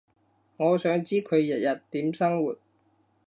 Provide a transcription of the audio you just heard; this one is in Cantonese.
我想知佢日日點生活